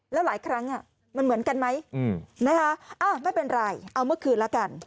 แล้วหลายครั้งมันเหมือนกันไหมนะคะไม่เป็นไรเอาเมื่อคืนแล้วกัน